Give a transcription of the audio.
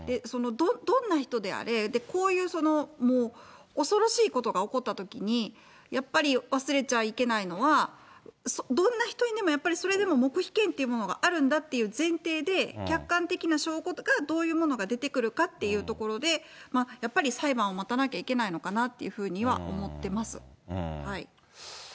どんな人であれ、こういうもう恐ろしいことが起こったときに、やっぱり、忘れちゃいけないのは、どんな人にでも、それでも黙秘権というものがあるんだという前提で客観的な証拠がどういうものが出てくるかっていうところで、やっぱり裁判を待たなきゃいけないのかなというふうには思ってます。